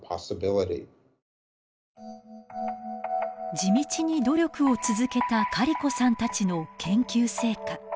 地道に努力を続けたカリコさんたちの研究成果。